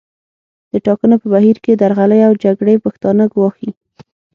د ټاکنو په بهیر کې درغلۍ او جګړې پښتانه ګواښي